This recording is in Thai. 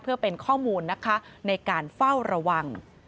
เพื่อเป็นข้อมูลนะคะในการเฝ้าระวัง